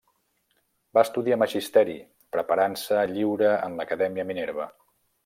Va estudiar magisteri, preparant-se lliure en l'Acadèmia Minerva.